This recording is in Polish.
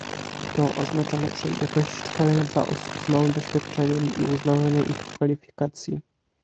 To oznacza lepszej jakości szkolenia dla osób z małym doświadczeniem i uznawanie ich kwalifikacji